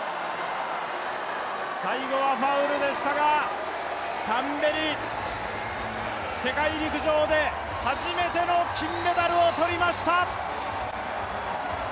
最後はファウルでしたが、タンベリ世界陸上で初めての金メダルを取りました。